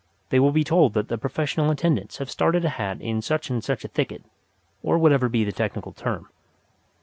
They will be told that the professional attendants have started a hat in such and such a thicket, or whatever be the technical term.